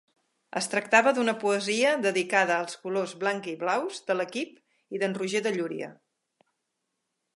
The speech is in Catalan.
Es tractava d'una poesia dedicada als colors blanc-i-blaus de l'equip i d'en Roger de Llúria.